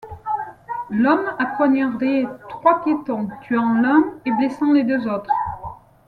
L'homme a poignardé trois piétons, tuant l'un et blessant les deux autres.